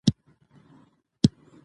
ښځې هم باید مالي سواد ولري.